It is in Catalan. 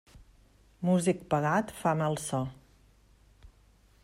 Músic pagat fa mal so.